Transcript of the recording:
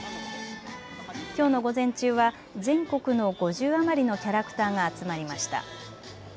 きょうの午前中は全国の５０余りのキャラクターが集まりました。